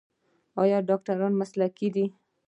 آیا ډاکټران مسلکي دي؟